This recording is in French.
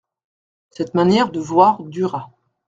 Cette manière de voir dura.